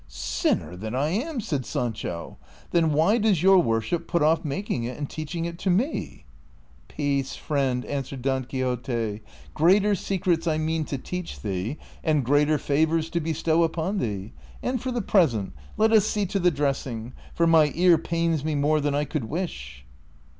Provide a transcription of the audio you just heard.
" Sinner that I am !" said Sancho, " then why does your worship put off making it and teaching it to me." " Peace, friend," answered Don Quixote ;" greater secrets T mean to teach thee and greater favors to bestow u})oii thee ; and for the present let us see to the dressing, for my ear pains me nu)re than I could wish."